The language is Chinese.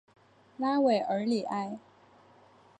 拉韦尔里埃。